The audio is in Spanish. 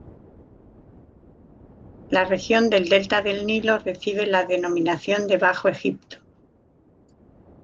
La región del delta del Nilo recibe la denominación de Bajo Egipto.